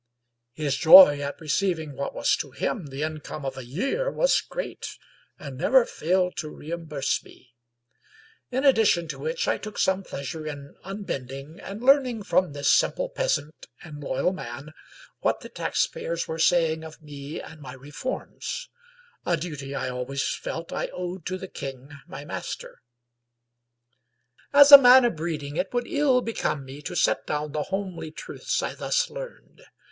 His joy at receiving what was to liim the income of a year was great, and never failed to re imburse me; in addition to which I took some pleasure in unbending, and learning from this simple peasant and loyal man, what the taxpayers were saying of me and my reforms — ^a duty I always felt I owed to the king my master. As a man of breeding it would ill become me to set down the homely truths I thus learned.